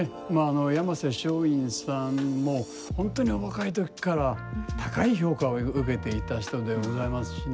山勢松韻さんも本当にお若い時から高い評価を受けていた人でございますしね